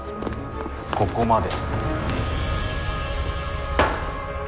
ここまで。